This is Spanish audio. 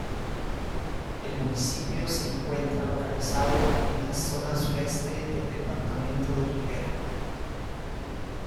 El municipio se encuentra localizado en la zona sureste del departamento de Rivera.